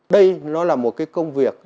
đây nó là một cái công việc